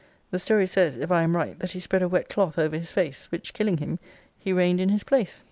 The story says, if I am right, that he spread a wet cloth over his face, which killing him, he reigned in his place.